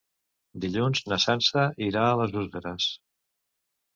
Dilluns na Sança irà a les Useres.